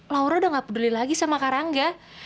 laura udah gak peduli lagi sama karangga